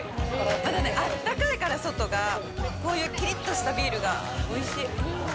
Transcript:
まだね、あったかいから、外が、こういうきりっとしたビールがおいしい。